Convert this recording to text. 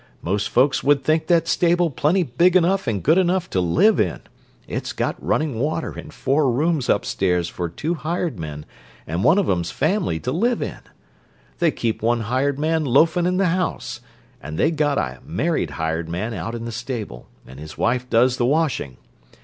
Most folks would think that stable plenty big enough and good enough to live in; it's got running water and four rooms upstairs for two hired men and one of 'em's family to live in. They keep one hired man loafin' in the house, and they got a married hired man out in the stable, and his wife does the washing.